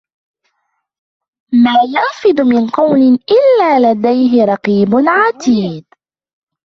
مَا يَلْفِظُ مِنْ قَوْلٍ إِلَّا لَدَيْهِ رَقِيبٌ عَتِيدٌ